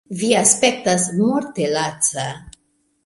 Vi aspektas morte laca.